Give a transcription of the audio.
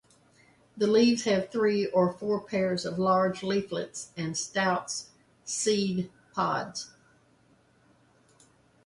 The leaves have three or four pairs of large leaflets and stout seed pods.